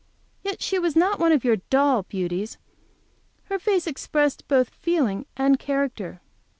Yet she was not one of your doll beauties; her face expressed both feeling and character.